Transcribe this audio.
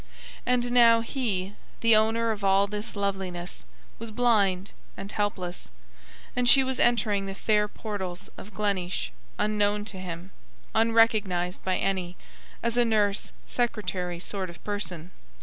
And now he, the owner of all this loveliness, was blind and helpless; and she was entering the fair portals of Gleneesh, unknown to him, unrecognised by any, as a nurse secretary sort of person.